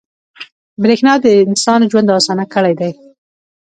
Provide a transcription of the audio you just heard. • برېښنا د انسان ژوند اسانه کړی دی.